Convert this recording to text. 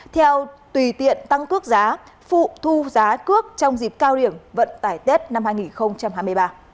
theo tùy tiện tăng cước giá phụ thu giá cước trong dịp cao điểm vận tải tết năm hai nghìn hai mươi ba